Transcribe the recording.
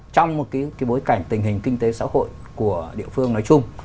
trong một bối cảnh tình hình kinh tế xã hội của địa phương nói chung